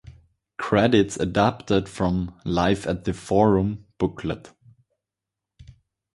Credits adapted from "Live at the Forum" booklet.